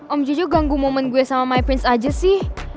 om jiju ganggu momen gue sama my fins aja sih